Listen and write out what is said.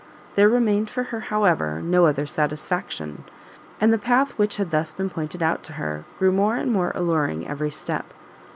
There remained for her, however, no other satisfaction; and the path which had thus been pointed out to her, grew more and more alluring every step.